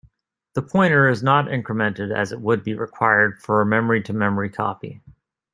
The pointer is not incremented as it would be required for a memory-to-memory copy.